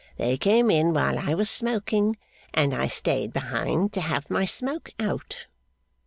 They came in while I was smoking, and I stayed behind to have my smoke out.